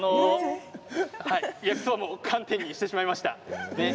寒天にしてしまいました。